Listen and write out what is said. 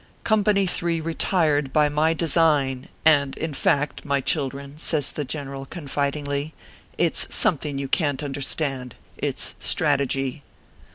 Company 3 retired by my design, and and in fact, my children/ says the general, confidingly, " it s something you can t understand it s strategy."